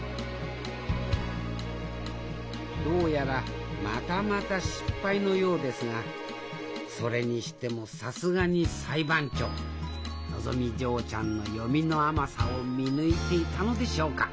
どうやらまたまた失敗のようですがそれにしてもさすがに裁判長のぞみ嬢ちゃんの読みの甘さを見抜いていたのでしょうか？